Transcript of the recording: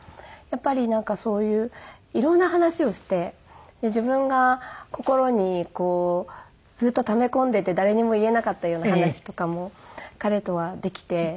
やっぱりそういう色んな話をして自分が心にずっとため込んでて誰にも言えなかったような話とかも彼とはできて。